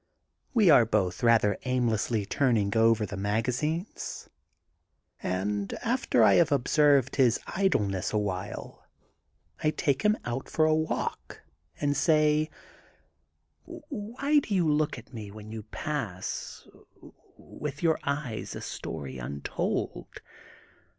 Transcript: "We are both rather aim lessly turning over the magazines, and, after I have observed his idleness awhile, I take him out for a walk and say: Why do you look at me when you pass, with your eyes a story untold